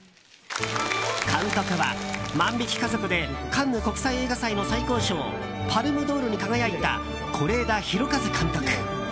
監督は「万引き家族」でカンヌ国際映画祭の最高賞パルム・ドールに輝いた是枝裕和監督。